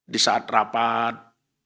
di saat rapat